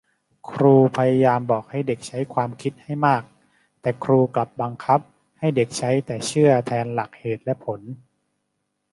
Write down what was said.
ครูพยายามบอกให้เด็กใช้ความคิดให้มาก แต่ครูกลับบังคับให้เด็กใช้แต่เชื่อแทนหลักเหตุและผล